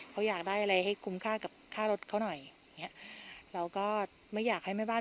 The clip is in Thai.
เขาอยากได้อะไรให้คุ้มค่ากับค่ารถเขาหน่อยอย่างเงี้ยเราก็ไม่อยากให้แม่บ้าน